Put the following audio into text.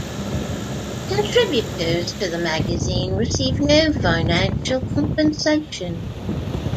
Contributors to the magazine receive no financial compensation.